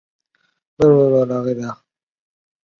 翅膀黑色。